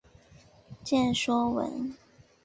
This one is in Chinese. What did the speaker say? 见说文。